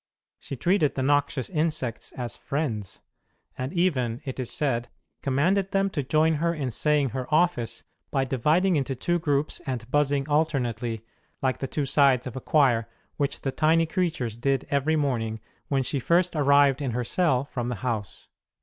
She treated the noxious insects as friends ; and even, it is said, commanded them to join her in saying her office by dividing into two groups and buzzing alternately, like the two sides of a HER GARDEN CELL 115 choir, which the tiny creatures did ever}* morning when she first arrived in her cell from the house.